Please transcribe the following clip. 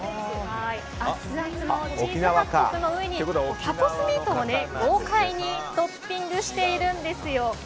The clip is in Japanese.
アツアツのチーズハットグの上にタコスミートを豪快にトッピングしているんですよ。